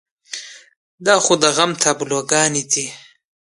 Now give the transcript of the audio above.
دا خو د غم تابلوګانې دي.